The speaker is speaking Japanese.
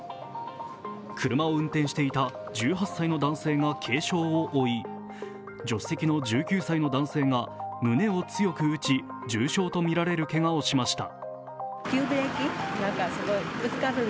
車を運転していた１８歳の男性が軽傷を負い助手席の１９歳の男性が胸を強く打ち、重傷とみられるけがをしました。